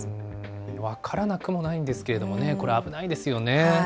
分からなくもないんですけれどもね、これ、危ないですよね。